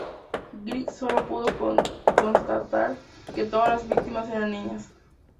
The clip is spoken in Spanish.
Griggs solo pudo constatar que todas las víctimas eran niñas.